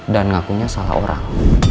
dan ngakunya salah orang